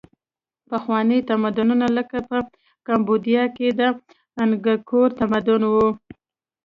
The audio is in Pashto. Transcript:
پخواني تمدنونه لکه په کامبودیا کې د انګکور تمدن و.